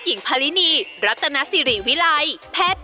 อุ๊ยแม่รู้อีกแล้วไงมันยกหลังเลย